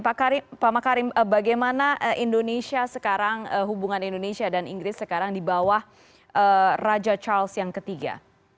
pak makarim bagaimana indonesia sekarang hubungan indonesia dan inggris sekarang di bawah raja charles yang ketiga